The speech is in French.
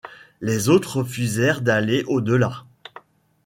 Les autres refusèrent d’aller au delà.